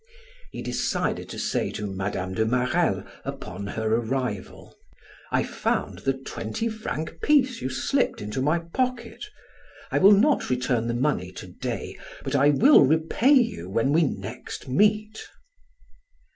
He decided to say to Mme. de Marelle upon her arrival: "I found the twenty franc piece you slipped into my pocket. I will not return the money to day, but I will repay you when we next meet."